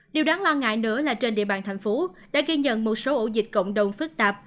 điều đáng lo ngại nữa là trên địa bàn thành phố đã ghi nhận một số ổ dịch cộng đồng phức tạp